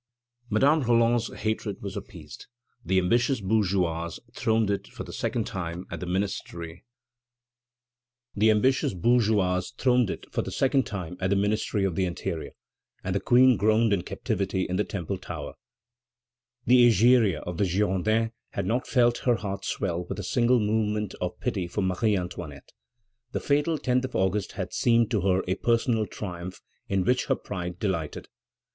Madame Roland's hatred was appeased. The ambitious bourgeoise throned it for the second time at the Ministry of the Interior, and the Queen groaned in captivity in the Temple tower. The Egeria of the Girondins had not felt her heart swell with a single movement of pity for Marie Antoinette. The fatal 10th of August had seemed to her a personal triumph in which her pride delighted.